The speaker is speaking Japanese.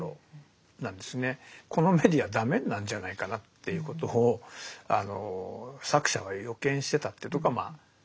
このメディアダメになるんじゃないかなっていうことを作者は予見してたっていうとこがまあ。